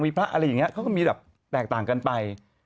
มีพระอะไรอย่างนี้เขาก็มีแบบแตกต่างกันไป